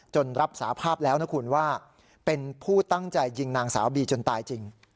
รับสาภาพแล้วนะคุณว่าเป็นผู้ตั้งใจยิงนางสาวบีจนตายจริง